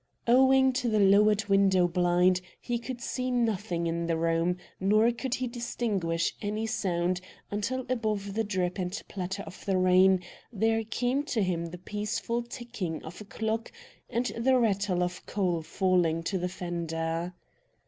Owing to the lowered window blind, he could see nothing in the room, nor could he distinguish any sound until above the drip and patter of the rain there came to him the peaceful ticking of a clock and the rattle of coal falling to the fender.